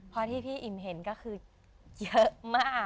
เพราะที่พี่อิ่มเห็นก็คือเยอะมากค่ะ